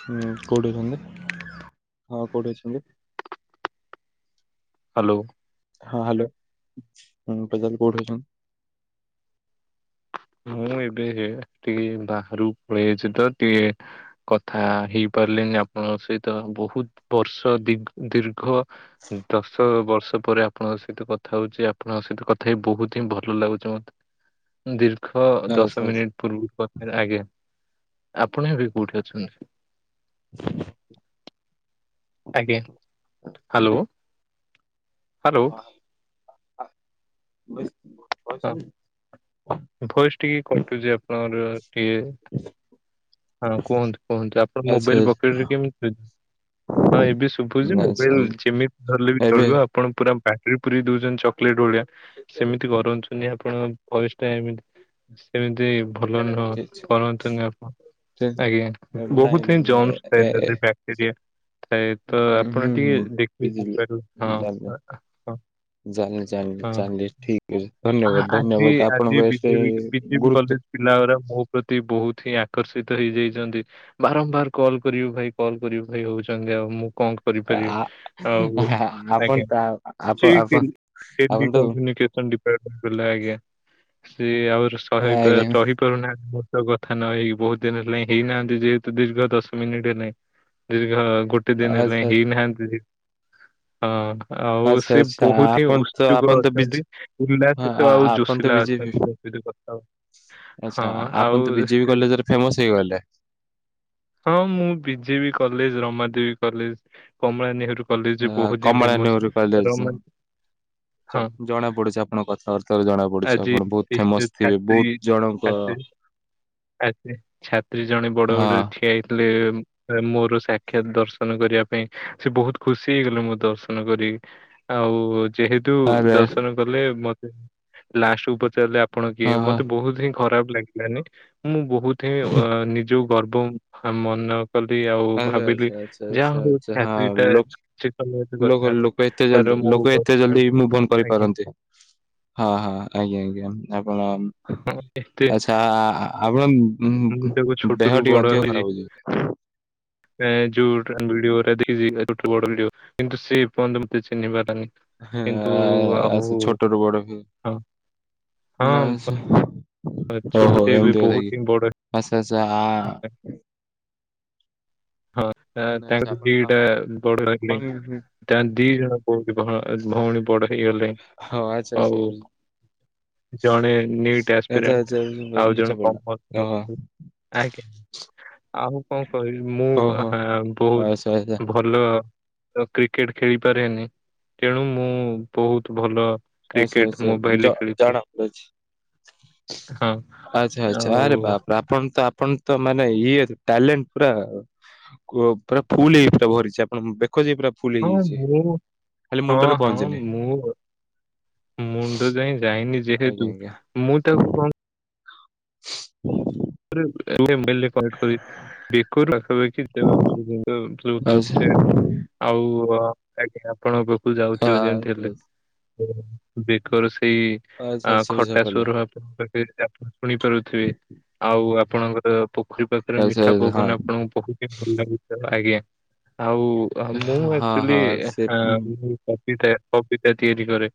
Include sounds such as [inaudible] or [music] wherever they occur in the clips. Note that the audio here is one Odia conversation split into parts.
ହଁ କୋଉଠି ଅଛନ୍ତି ହଁ କୋଉଠି ଅଛନ୍ତି। [unintelligible] ହ୍ୟାଲୋ। ହଁ ହ୍ୟାଲୋ ହଁ ପ୍ରଜାଲ କୋଉଠି ଅଛନ୍ତି। ମୁଁ ଏବେ ଟିକେ ବାହାରୁକୁ ପଳେଇଛି ତ ଟିକେ। କଥା ହେଇପାରିଲିନି ଆପଣଙ୍କ ସହିତ ବହୁତ ବର୍ଷ ଦି ଦୀର୍ଘ। ଦଶ ବର୍ଷ ପରେ ଆପଣଙ୍କ ସହିତ କଥା ହଉଛି ଆପଣଙ୍କ ସହିତ କଥା ହେଇ ବହୁତ ହିଁ ଭଲ ଲାଗୁଛି ମୋତେ। ଦୀର୍ଘ ଆଚ୍ଛା ଦଶ ଆଚ୍ଛା। ମିନିଟ୍ ପୂର୍ବରୁ ଆଜ୍ ଆପଣ ଏବେ କୋଉଠି ଅଛନ୍ତି। [unintelligible] ଆଜ୍ଞା ହ୍ୟାଲୋ ହ୍ୟାଲୋ। [inaudible] ଭଏସ ଶୁଭୁନି? ହଁ ଭଏସ ଟିକେ କଟୁଛି ଆପଣର ଟିକେ। ହଁ କୁହନ୍ତୁ କୁହନ୍ତୁ ଆପଣ ଆଚ୍ଛା ମୋବାଇଲ ପକେଟ ରେ କେମିତି। ହଁ ଏବେ ଶୁଭୁଛି ଆଚ୍ଛା ମୋବାଇଲ ଆଚ୍ଛା ଯେମିତିଲେ ବି ଏବେ ଚଳିବ ଆଉ। ଆପଣ ପୁରା ବଟେରୀ ପୁରୀ ଦଉଛନ୍ତି ଚକୋଲେଟ ଭଳିଆ ସେମିତି କରଛନ୍ତି। ଆପଣଙ୍କ ଭଏସ ଟା ଏମିତି ସେମିତି ଭଲ ନୁହଁ ଠିକ କରନ୍ତୁନି ଆପଣ। ଠିକ ଆଜ୍ଞା ନାଇଁ ବହୁତ ନାଇଁ ହିଁ ନାଇଁ ଏ ଜନ୍ସଥା ଏ ତ ଏ ବ୍ୟକଟେ ରିଆ। ତ ହୁଁ ହୁଁ ଆପଣ ଟିକେ ହୁଁ ଦେଖିବେ ବୁଝିଲି। ମୋବାଇଲ ହଁ ଜାଣିଲି ହଁ। ଜାଣିଲି ଜାଣିଲି ହଁ। ଜାଣିଲି ଠିକ ଅ ଆ- ଧନ୍ୟବାଦ ଆଜି ଧନ୍ୟବାଦ ଆପଣ ବସ ଗୁରୁତ। ପିଲା ମୋ ପ୍ରତି ବହୁତ ହିଁ। ଆକର୍ଷିତ ହେଇଯାଇଛନ୍ତି ବାରମ୍ବାର କଲ୍ କରିବୁ ଭାଇ କଲ କରିବୁ ଭାଇ ହଉଛନ୍ତି ଆଉ ମୁଁ କଣ। କରିପାରିବେ ଆ ଆଉ ଆପଣ ଆଜ୍ଞା ତ ଆପଣ ସେଇ ଆପଣ ଆପଣ ଟେଲି ତ କମ୍ୟୁନିକସନ୍ ଡି ପିଲା ଆଜ୍ଞା ସିଏ ଆ ଆଜ୍ଞା ରହିପାରୁନାହା ମୋ ତ କଥା ନ ହେଇକି। ବହୁତ ଦିନ ହେଲା ହେଇନାହାନ୍ତି ଯେହେତୁ ଦୀର୍ଘ ଦଶ ମିନିଟ ହେଲେ ଦୀର୍ଘ ଗୋଟ ଦିନ ହେଲାଣି ଆଚ୍ଛା ହେଇନାହାନ୍ତି। [inaudible] ହଁ ଆଉ ଆଚ୍ଛା ସେ ଆଚ୍ଛା ବହୁତ ହିଁ ଆପଣ ତ ଉତ୍ସୁକ ଆପଣ ତ ବିଜି ଅଛନ୍ତି ହଁ ଆ ଉଲାତ୍ତିତ ଆ- ଆଉ ଆପଣ ତ ଯୋସିଲା ବିଜେପି ଅଛନ୍ତି। [unintelligible] ଆଚ୍ଛା ହଁ ଆଉ ଆପଣ ତ ବିଜେପି ସେ କଲେଜରେ ଫେମସ ହେଇଗଲେ। ହଁ ମୁଁ B J B college Ramadevi college Kamala Nehru college ଆ ବହୁତ ହିଁ କମଳା ଫେମସ। ନେହେରୁ କଲେଜ ରମା ଜ ହଁ ଜଣା ପଡ଼ୁଛି ଆ ଆପଣ କଥାବାର୍ତ୍ତାରୁ ଜଣା ପଡ଼ୁଛି ଆଜି ଆପଣ ବୋହୁତ ସେ- ସେ ଫେମସ ଥିବେ ଛାତ୍ରୀ ବୋହୁତ ଜଣଙ୍କ ଆଦେ ଛାତ୍ରୀ ଜଣେ ବଡ଼ ହଁ ବଡ଼ରେ ଠିଆ ହେଇଥିଲେ। ମୋର ସାକ୍ଷାତ ଦର୍ଶନ କରିବା ପାଇଁ ସେ ବୋହୁତ ଖୁସି ହେଇଗଲେ ମୋ ଦର୍ଶନ କରିକି। ଆଉ ଯେହେତୁ ଆରେ ଦର୍ଶନ କଲେ ମତେ ଲାଷ୍ଟେକୁ ପଚାରିଲେ ଆ ଆପଣ ହଁ କିଏ ହଁ ମତେ ବୋହୁତୁ ହିଁ ଖରାପ ଲାଗିଲାନି ମୁଁ ବହୁତ ହିଁ ହୁଁ, ଅ ନିଜକୁ ଗର୍ଭ ଆମନ କଲି ଆଉ ଆଚ୍ଛା ଆଚ୍ଛା ଭାବିଲି ଆଚ୍ଛା ଆଚ୍ଛା ଯାହା ହଉ ଆଚ୍ଛା ହଁ ଛାତ୍ରୀଟା ସେ ତ ମୋ କଥା ହଉ କ ଏତେ ଜଲଦି ଲୋକ ଏତେ ଜଲଦି ମୁବ୍ ଅନ୍ କରିପାରନ୍ତି। ହଁ ହଁ ଆଜ୍ଞା ଆଜ୍ଞା ଆପଣ ହଁ, ଏତେ ଆଚ୍ଛା ଆ ଆପଣମ୍ ମୁଁ ତାକୁ ଦେହ ଛୋଟରୁ ଟିକେ ବଡ ଅଧିକ ହେଇ ଖରାପ ହେଇଚି। [unintelligible] କିନ୍ତୁ ସେ ଏ ପର୍ଯ୍ୟନ୍ତ ମତେ ଚିହ୍ନି ପାରେନି। ହଁ, କିନ୍ତୁ ଆହୁ ଆଚ୍ଛା ହଁ ଛୋଟରୁୁ ବଡ ହୁଏ। ନା ହଁ ଆଚ୍ଛା ଆ ଓହୋ ଛୋଟୁ ଟେ ବି ଏମିତି କଥା କି ବୋହୁତ ଆଚ୍ଛା ଆଚ୍ଛା ଆ ଇମ୍ପୋର୍ଟେଣ୍ଟ। ହଁ ତା ଆଚ୍ଛା ତାଙ୍କୁ ଆପଣ ଦିଟା ବଡ଼ ଆପଣ [unintelligible] ତାଙ୍କ ଦି ଜଣ କୋଉଠ ଭ ଭଉଣୀ ବଡ଼ ହେଇଗଲେ। ହ ଆଚ୍ଛା ଆଚ୍ଛା କି। ଜଣେ ନିଟ୍ ଆଚ୍ଛା ଆସ୍ପିରାଣ୍ଟ୍ ଆଚ୍ଛା ଆଉ ବୁଝା ଜଣେ କ ପଡିଲା। ଓହୋ [unintelligible] ଆଜ୍ଞା ଆଉ କଣ କହିବି ମୁଁ ଓହୋ ହା ଆଚ୍ଛା ଆଚ୍ଛା। ବୋହୁତ ଭଲ କ୍ରିକେଟ୍ ଖେଳିପାରେନି ତେଣୁ ମୁଁ ବୋହୁତ୍ ଭଲ ଆଛା କ୍ରିକେଟ ଆଛା ମୋବାଇଲରେ ଜ ଖେଳିଛି ଜଣଙ୍କର ଅଛି। ହଁ ଆଚ୍ଛା ଆଚ୍ଛା ଆରେ ଆଉ ବାପରେ ଆପଣତ ଆପଣ୍ ତ ମାନେ ଇଏ ଟ୍ୟାଲେଣ୍ଟ୍ ପୁରା କୁ ପୁରା ଫୁଲ ହେଇ ପୁରା ଭରିଛି ଆପଣ ବେକ ଯାଏଁ ପୁରା ଫୁଲ ହଁ ହେଇଯାଇଛି। ମୋର ଖାଲି ହଁ ମୁଣ୍ଡରେ ହଁ ପହଞ୍ଚିନି ମୁଁ ମୁଣ୍ଡ ଯାଏଁ ଯାଇନି ଆଜ୍ଞା ଯେହେତୁ ଆଜ୍ଞା ମୁଁ ତାକୁ କଣ [unintelligible] ଅ ବ୍ଲୁଟୁଥ୍ ଟା ଆଚ୍ଛା ଆଉ ଆ ଆଜ୍ଞା ଆପଣଙ୍କ ପାଖକୁ ଆଚ୍ଛା ଯାଉଥିବ ଯେମତି ହେଲେ ବେକର ସେଇ ଆଚ୍ଛା ଆ ଆଚ୍ଛା ବୁଝା ଖଟା ପଡିଲା। ସରୁ ଆପଣଙ୍କ ପାଖେ ଆପ ଶୁଣିପାରୁଥିବେ। ଆଉ ଆପଣଙ୍କର ପୋଖରୀ ପାଖରେ ଆଚ୍ଛା ମିଠା ଆଚ୍ଛା, ପବନ ଆପଣଙ୍କୁ ବହୁ କେ ଭଲ ଲାଗୁ ଆଜ୍ଞା ଆଉ ହା ମୁଁ ହଁ ହଁ ଆକ୍ଚୋଲି ହଁ ହା ସେ କବିତା କବିତା ତିଆରି କରେ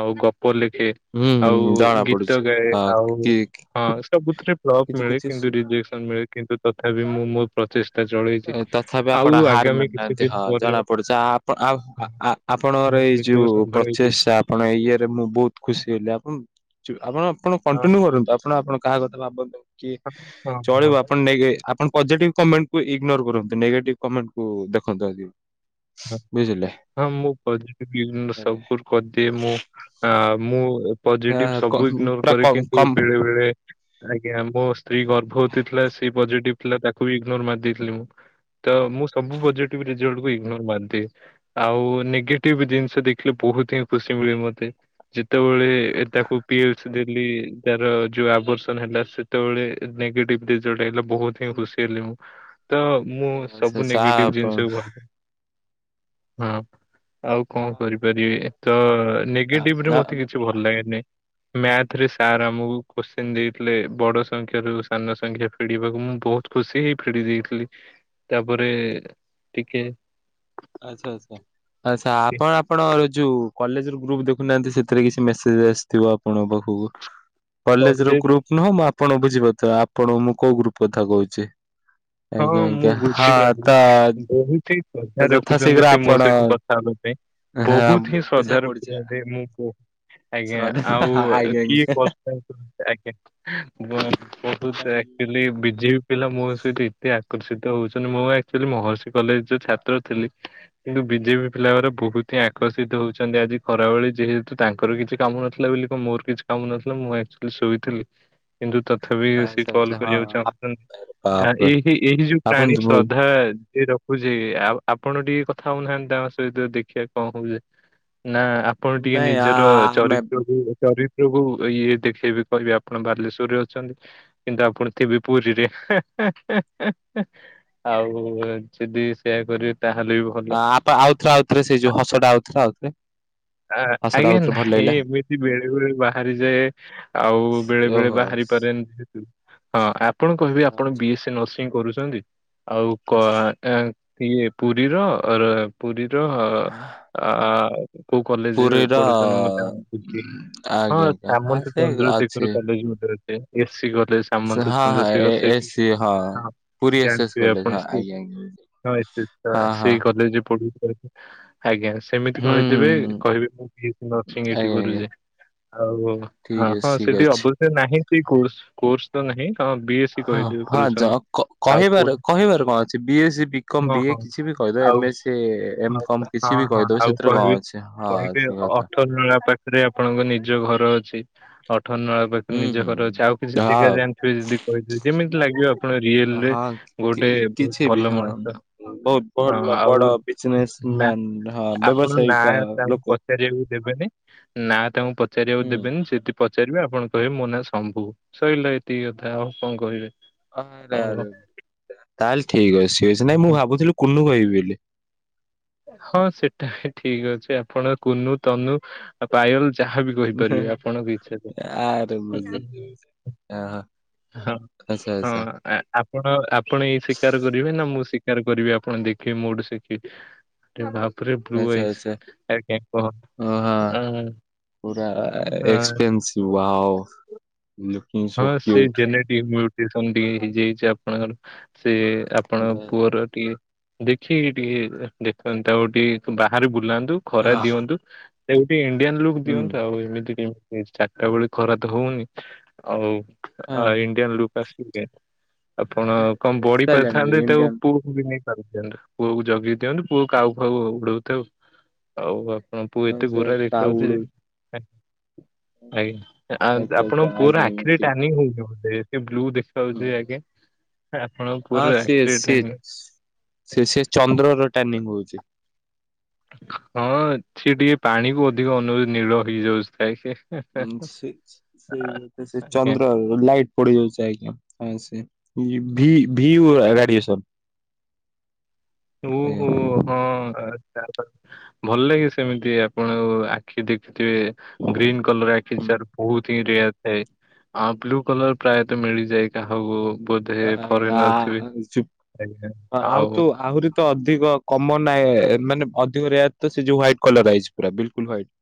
ଆଉ ଗପ ଲେଖେ। ହୁଁ ଆଉ ହୁଁ ଜଣା ପଡୁଛି ଗୀତ ଗାଏ ହଁ ଆଉ କି ହଁ ସବୁଥିରେ ଫ୍ଲପ କିଛି ମିଳେ କିଛି କିନ୍ତୁ ସୁ ରିଜେକ୍ସନ୍ ମିଳେ କିନ୍ତୁ ତଥାପି ମୁଁ ମୋ ପ୍ରଚେଷ୍ ତଥାପି ଆପଣ ହାର କିଛି ମାନିନାହାନ୍ତି ଦିନ ହଁ ପରେ ଜଣା ପଡ଼ୁଛି ଆପ ଆଉ ଆ ଆପଣଙ୍କର ମୁଁ ଏଇ ନିଜକୁ ଯୋଉ ସମ୍ଭାଳିବି ପ୍ରଚେଷା ପଣ ଏଇ ଇଏରେ ମୁଁ ବୋଉତ୍ ଖୁସି ହେଲି ଆପଣ ଚୁ ଆପଣ ଆପଣ ହଁ କଣ୍ଟିନ୍ୟୁ କରନ୍ତୁ ଆପଣ ଆପଣ କାହା କଥା ଭାବନ୍ତୁ କି ହଁ ହଁ ଚଳିବ ହଁ। ଆପଣ ନେଇକି ଆପଣ ପଜେଟିଭ୍ କମେଣ୍ଟ୍ ଇଗ୍ନୋର କରନ୍ତୁ ନେଗେଟିଭ୍ କମେଣ୍ଟ କୁ ଦେଖନ୍ତୁ ଆଗେ। [unintelligible] ଆଜ୍ଞା। ଖଦି ମୁଁ ଆ ମୁଁ ନା, ପଜିଟିଭ୍ କ- ସବୁ ଇଗ୍ନୋର ପୁରା କରେ କିନ୍ତୁ କମ ବେଳେ ବେଳେ ଆଜ୍ଞା ମୋ ସ୍ତ୍ରୀ ଗର୍ଭବତୀ ଥିଲା ସେ ପଜିଟିଭ୍ ଥିଲା ତାକୁ ବି ଇଗ୍ନୋର ମାରି ଦେଇଥିଲି ମୁଁ। ତ ମୁଁ ସବୁ ପଜିଟିଭ ରେଜଲ୍ଟକୁ ଇଗନୋର ମାରିଦିଏ। ଆଉ ନେଗେଟିଭ ଜିନିଷ ଦେଖିଲେ ବହୁତ ହିଁ ଖୁସି ମିଳେ ମତେ। ଯେତେବେଳେ ତାକୁ ପିଲ୍ସ ଦେଲି ତାର ଯୋଉ ଆବର୍ଷନ ହେଲା ସେତେବେଳେ ନେଗେଟିଭ ରେଜଲ୍ଟ ହେଲା ବହୁତ ହିଁ ଖୁସି ହେଲି ମୁଁ। ତ ମୁଁ ଆଚ୍ଛା ସବୁ ଆଚ୍ଛା ଆ, ନେଗେଟିଭ ଆପଣ ଜିନିଷକୁ ଭଲ ହଁ। ଆଉ କଣ କରିପାରିବି ତ ଆ- ନେଗେଟିଭରେ ଆ- ମତେ କିଛି ଭଲ ଲାଗେନିଁ? ମ୍ୟାଥରେ ସାର୍ ଆମକୁ କୋଶ୍ଚିନ ଦେଇଥିଲେ ବଡ ସଂଖ୍ୟାାରୁ ସାନ ସଂଖ୍ୟା ଫେଡିବାକୁ ମୁଁ ବହୁତ ଖୁସି ହେଇ ଫେଡି ଦେଇଥିଲି। ତାପରେ ଟିକେ ଆଚ୍ଛା ଆଚ୍ଛା ଆଚ୍ଛା ଆପଣ ଆପଣ ଯୋଉ କଲେଜର ଗ୍ରୁପ ଦେଖୁନାହାନ୍ତି ସେଥିରେ କିଛି ମେସେଜ ଆସିଥିବ ଆପଣଙ୍କ ପାଖକୁ କଲେଜର ଗ୍ରୁପ। ନୁହଁ ମୁଁ ଆପଣ ବୁଝିପାରୁଥିବେ ଆପଣ ମୁଁ କୋଉ ଗ୍ରୁପ କଥା କହୁଛି? ଆଜ୍ଞା ଆଜ୍ଞା ହଁ ତ। ବହୁତି ତ ଅଧାରୁ ଯଥା ଉଠୁଛନ୍ତି ଶୀଘ୍ର ସେ ମୋ ଆପଣ ସହିତ କଥା ହେବା ପାଇଁ। ହଁ ବହୁତ ହିଁ ବୁଝା ଶ୍ରଦ୍ଧା ପଡୁଛି ରଖିଛନ୍ତି ମୁଁ କୋ ଆଜ୍ଞା ଶ୍ରଦ୍ଧା ଆଉ ଆଜ୍ଞା କିଏ ଆଜ୍ଞା। କରୁଛନ୍ତି? ଆଜ୍ଞା [inaudible] ଏ ବିଜେବି ପିଲା ମୋ ସହିତ ଏତେ ଆକର୍ଷିତ ହଉଛନ୍ତି ମୋ ପାଇଁ। ମହର୍ଷି କଲେଜ ଯୋଉ ଛାତ୍ର ଥିଲି। କିନ୍ତୁ ବିଜେପି ପିଲାଗୂରା ବହୁତ ହିଁ ଆକର୍ଷିତ ହଉଛନ୍ତି ଆଜି ଖରାବେଳେ ଯେହେତୁ ତାଙ୍କର କିଛି କାମ ନଥିଲା ବୋଲି କି ମୋର କିଛି କାମ ନଥିଲା। ମୁଁ ଆକଚୁଆଲି ଶୋଇଥିଲି। [unintelligible] କିନ୍ତୁ ତଥାବି ସେ ଆଚ୍ଛା କଲ ଆଚ୍ଛା ହଁ କରିବାକୁ ଚାହୁଁଛନ୍ତି ବାପରେ ଏଇ ଏଇଠି ଯୋଉ ଆପଣ ପ୍ରାଣୀ ଶ୍ରଦ୍ଧା ଯିଏ ରହୁଛି। ବୁଝିଲେ ଆପଣ ଟିକେ କଥା ହଉନାହାନ୍ତି ତାଙ୍କ ସହିତ ଦେଖିବା କଣ ହଉଛ ନା ଆପଣ ଟିକେ ନାଇଁ ଆ ନିଜର ଆମେ ଚରିତ୍ରକୁ ଚରି ଇଏ ଦେଖେଇବି କହିବେ ଆପଣ ବାଲେଶ୍ଵରରେ ଅଛନ୍ତି। କିନ୍ତୁ ଆପଣ ଥିବେ ପୁରୀରେ। ଆଉ ଯଦି ସେୟା କରିବେ ତାହେଲେ ବି ଭଲ। ଆପ ଆଉଥରେ ଆଉଥରେ ସେଇ ଯୋଉ ହସଟା ଆଉଥରେ ଆଉଥରେ। ଆ ହସଟା ଆଜ୍ଞା ଆଉଥରେ ଭଲ ନାଇଁ ଲାଗିଲା ଏମିତି ବେଳେ ବେଳେ ବାହାରିଯାଏ ଆଉ ବେଳେ ବେଳେ ଓହୋ। ବାହାରି? ହଁ ଆପଣ କହିବେ ଆପଣ ବି ଏସ ସି ନର୍ସ କରୁଛନ୍ତି ଆଉ କ ଇଏ ପୁରୀର ର ପୁରୀର ଆ କୋଉ କଲେଜ ପୁରୀର ପଢୁଛନ୍ତି ମୁଁ ଆଜ୍ଞା ହଁ ଆଜ୍ଞା ହଁ ସାମନ୍ତ ସେ ଚନ୍ଦ୍ରଶେଖର ଅଛି। କଲେଜ ଗୋଟେ ଅଛି। ଏ ସି ଗଲେ ସାମନ୍ତ ହଁ ହଁ ଏ ଚନ୍ଦ୍ରଶେଖର ସେ ଏସି ହଁ। ପୁରୀ ଏସ୍ ଏସ୍ ଜାଣିଥିବେ କଲେଜ ଆପଣ ହଁ ସେ ଆଜ୍ଞା ଆଜ୍ଞା। ହଁ ହଁ ସେଇ କଲେଜ ପଢୁଥିବା। ଆଜ୍ଞା। ସେମିତି ହୁଁ କହିଦେବେ ହୁଁ ହୁଁ କହିବେ ମୁଁ ନର୍ସିଂ ଏଇଠି ଆଜ୍ଞା ଆଜ୍ଞା କରୁଛି। ଆଉ ହଁ ଠିକ୍ ଅଛି ହଁ ଠିକ୍ ସେଠି ଅଛି। ଅବ୍ ନାହିଁ ସେ କୋସ କୋର୍ସ ତ ନାହିଁ କଣ ବି ଏସ୍ ସି ହଁ କହିଥିବେ ହଁ ଯ କରୁଛନ୍ତି। ଆଉ କହିବାର ପୁଣି କହିବାର କଣ ଅଛି? ବି ଏସ୍ ସି, ବି କମ୍, ହଁ ବିଏ ହଁ କିଛି ବି କହିଦେ ଆଉ ଏମଏ, ଏମ ହଁ କମ୍। ହଁ କିଛି ବି ହଁ କହିଦବ ଆଉ ସେଥିରେ କଣ କହିବି ଅଛି ହଁ କହିବି ସେ କଥା। ଅଠର ନଳା ପା ରେ ଆପଣଙ୍କ ନିଜ ଘର ଅଛି। ଅଠ ନଳା କୁ ହୁଁ ନିଜ ହୁଁ ଘର ଅଛି ଆଉ କିଛି ଜାଗା ହଁ ଜାଣିଥିବେ ଯଦି କହିିବ ଯେମିତି ଲାଗିବ। ଆପଣ ରିଏଲରେ ହଁ ଗୋଟେ କି ବହୁତ କିଛି ବି ଭଲ ହଁ ମଣିଷ। ବହୁତ ହଁ, ଭଲ ବଡ ଆଉ ବିଜନେସ୍ ନା ମ୍ୟାନ ହଁ ଆପଣ ନା ବ୍ୟବସାୟିକ ତାଙ୍କୁ ଲୋକ। ପଚାରିବାକୁ ଦେବେନି। ନା ତାଙ୍କୁ ପଚାରିବାକୁ ହୁଁ। ଦେବେନି ସେଥି। ପଚାରିବେ ଆପଣ କହିବେ ମୋ ନାଁ ସମ୍ଭୁ ସଇଲା ଏତିକି କଥା ଆଉ କଣ କହିବେ। ଆରେ ଆଉ ଆରେ ତାହେଲେ ଠିକ ଅଛି ସିଏ ଅଛି ନାଇଁ ମୁଁ ଭାବୁଥିଲି କୁନୁ କହିବି ବୋଲି। ହଁ ସେଟା ବି ଠିକ ଅଛି ଆପଣ କୁନୁ, ତନୁ, ପାୟଲ ଯାହାବି କହିପାରିବେ ଆପଣଙ୍କ ଇଚ୍ଛା ଆ ହା। ହଁ, ହଁ ଆପ ଆପଣ, ଆପଣ ଏଇ ଶିକାର କରିବେ ନା ମୁଁ ଶିକାର କରିବି ଆପଣ ଦେଖିବେ ମୋଠୁ ଶିଖି ବାପରେ ବ୍ଲୁ ଆଚ୍ଛା ଆଚ୍ଛା ଆଇଜ ଆଜ୍ଞା କହ ଓ ହଁ ଆଁ ପୁରା ଏକ୍ସପେନ୍ସିଭ ୱାଓ ଲୁକିଙ୍ଗ ହଁ ସେ [unintelligible] ଟିକେ ହେଇଯାଇଛି ଆପଣଙ୍କର ସେ ଆପଣଙ୍କ ପୁଅର ଟିକେ ଦେଖିକି ଟିକେ ଦେଖନ୍ତୁ ଆଉ ଟିକେ ବାହାରେ ବୁଲାନ୍ତୁ। ଖରା ଆଃ ଦିଅନ୍ତୁ ତାକୁ ଗୋଟେ ଇଣ୍ଡିଆନ୍ ଲୁକ୍ ହୁଁ। ଦିଅନ୍ତୁ ଆଉ ଏମିତି କେ ସେ ଚାରିଟା ବେଳୁ ଖରା ତ ହଉନି, ଆଉ ହଁ ଇଣ୍ଡିଆ ଲୁକ୍ ଆସିବ କେମିତି। ଆପଣ କଣ ଆସି ବଡି ସାରିଲାଣି ପାରିଥାନ୍ତେ ତାକୁ ଇଣ୍ଡିଆନ ପୁ ନେଇ [unintelligible] ପୁଅକୁ ଜଗି ଦିଅନ୍ତୁ ପୁଅ କାଉ ଫାଉ ଉଡଉ ଥାଉ। ଆଉ ଆପଣଙ୍କ ପୁଅ ଏତେ ଗୋରା କାଉ ଦେଖାଉଛି ଯେ ଉଡଉଛି। ଆଜ୍ଞା ଆ ଆଚ୍ଛା ଆଚ୍ଛା ଆପଣଙ୍କ ଆଜ୍ଞା ପୁଅର ଆଖି ଆଜ୍ଞା [unintelligible] ଏତେ ବ୍ଲ୍ୟୁ ଦେଖାଯାଉଚି ଯେ ଠିକ। ଆଜ୍ଞା ଆପଣ ପୁଅ ହଁ ର ସିଏ ଆଖି ରେ ସିଏ ଟ୍ୟାନିଂ ସେ ସେ ଚନ୍ଦ୍ରର ଟାର୍ନିଂ ହଉଚି। ହଁ ସିଏ ଟିକେ ପାଣି କୁ ଅଧିକ ଅନଉ ନୀଳ ହେଇଯାଉଥାଏ ସେ ହଁ ସେ ସେଇ କଥା ସେ ଆଜ୍ଞା ଚନ୍ଦ୍ରରୁ ଲାଇଟ୍ ପଡି ଯାଉଛି ଆଜ୍ଞା ହଁ ସେ ଭି ଭି ରାଡ଼ିଏସନ ଉ ହୁଁ ହଁ ଆଛା ଆଛା ଭଲ ଲାଗେ ସେମିତି ଆପଣ ଆଉ ଆଖି ଦେଖିଥିବେ ଗ୍ରୀନ୍ କଲର ଆଖି ଯାର ବହୁତ ହିଁ ରେୟାର ଥାଏ। ହଁ ବ୍ଲୁ କଲର ପ୍ରାୟତଃ ମିଳିଯାଇ କାହାକୁ ବୋଧେ ଆଜ୍ଞା ଫରେନର ଥିବେ। ଆ ଚୁପ ଆଉ ତୁ ଆହୁରି ତ ଅଧିକ କମନ ନା ମାନେ ଅଧିକ ରେୟାର ତ ସେ ଯୋଉ ହ୍ୱାଇଟ୍ କଲର ଆଇଜ୍‌ ପୁରା ବିଲକୁଲ ହ୍ୱାଇଟ୍। ତ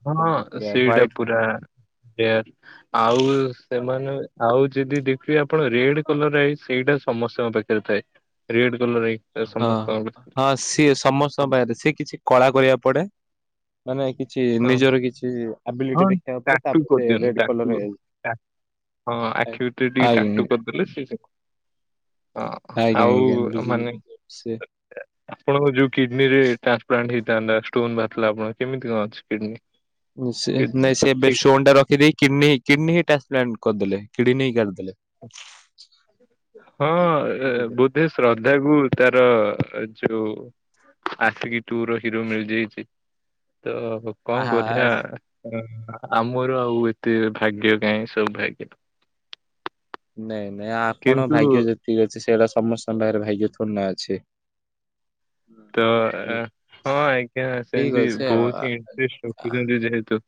ଅପଣ ସେଇଟା ପୁରା ରେୟାର। ଆଉ ସେମାନେ ଆଉ ଯଦି ଦେଖିବେ ଆପଣ ରେଡ କଲର ଆଇଜ ସେଇଟା ସମସ୍ତଙ୍କ ପାଖେ ସେ ଥାଏ ରେଡ କଲର ଆଇ ହଁ, ହଁ ସିଏ ସମସ୍ତ [unintelligible] ସେ କିଛି କଳା କରିବାକୁ ପଡେ ମାନେ କିଛି ହଁ ନିଜର କିଛି ହଁ ଆବିଲିଟି ଦେଖିବାକୁ ପଡେ ଟାଟୁ ତାପରେ ସେ କରିଦିଅନ୍ତି ରେଡ ଟାଟୁ କଲର ଏଲ। ଟା- ହଁ ଆଖି ଭିତରେ ଟିକେ ଟାଟୁ କରିଦେଲେ ସେ ହଁ ଆଜ୍ଞା ଆଜ୍ଞା ଆଉ ବୁଝିଲି ମାନେ ବୁଝିଲି ସେ ଆପଣଙ୍କ ଯୋଉ କିଡନୀ ରେ ଟ୍ରାନ୍ସପ୍ଲାଣ୍ଟ ହେଇଥାନ୍ତା ଷ୍ଟୋନ ବାହାରିଲା ଆପଣଙ୍କ କେମିତି କଣ ଅଛି କିଡନୀ। ସେ କିଡନୀ? ନାଇଁ ସେ ଏବେ ଠିକ ଷ୍ଟୋନଟା ରଖିଦେଇ କିଡନୀ କିଡନୀ ହିଁ ଟ୍ରାନ୍ସପ୍ଲାଣ୍ଟ କରିଦେଲେ କିଡନୀ ହିଁ କାଢିଦେଲେ। [inaudible] [inaudible] ହଁ ବୁଝିଲେ ବୋଧେ ଶ୍ରଦ୍ଧାକୁ ତାର ଯୋଉ ଆସିକି ଟୁର ହିରୋ ମିଳିଯାଇଛି ତ। କଣ ଆହା କରିବା ଆମର ଆଉ ଏତେ ଭାଗ୍ୟ କାହିଁ ସୋଭାଗ୍ୟ। ନାଇଁ, ନାଇଁ ଆପଣଙ୍କ କିନ୍ତୁ ଭାଗ୍ୟ ଯେତିକି ଅଛି ସେଇଟା ସମସ୍ତଙ୍କ ପାଖରେ ଭାଗ୍ୟ ଥୋଡିନା ଅଛି। ତ ବୁଝିଲେ? ହଁ ଆଜ୍ଞା ଠିକ ସେମିତି ଅଛି ଆଉ ବହୁତ ଆ- ହିଁ ଇଂଟରେଷ୍ଟ ଆ- ରଖୁଛନ୍ତି ଯେହେତୁ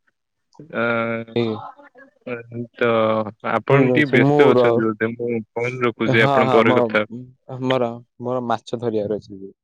ଆ ଠିକ [unintelligible] ଠିକ ଆପଣ ଟିକେ ଅଛି ମୁଁ ବ୍ୟସ୍ତ ର ଅଛନ୍ତି ବୋଧେ ମୁଁ ଫୋନ ରଖୁଛି ଆପଣ ପରେ କଥା ଆମର ମୋର ମାଛ ଧରିବାର ଅଛି [unintelligible]